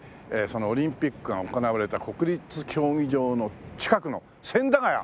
そのオリンピックが行われた国立競技場の近くの千駄ヶ谷。